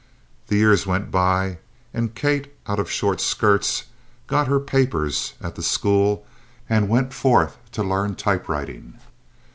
The years went by, and Kate, out of short skirts, got her "papers" at the school and went forth to learn typewriting.